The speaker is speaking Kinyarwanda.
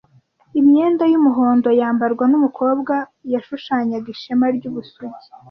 imyenda yumuhondo yambarwa numukobwa yashushanyaga Ishema ryubusugi